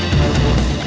lo sudah bisa berhenti